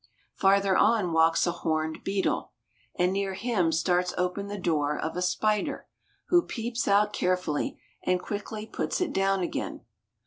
Farther on walks a horned beetle, and near him starts open the door of a spider, who peeps out carefully, and quickly puts it down again.